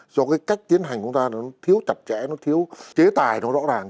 do cái cách tiến hành chúng ta nó thiếu chặt chẽ nó thiếu chế tài nó rõ ràng